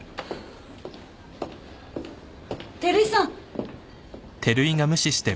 照井さん。